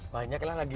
banyak lah lagi